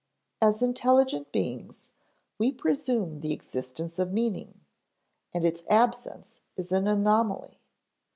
As intelligent beings, we presume the existence of meaning, and its absence is an anomaly.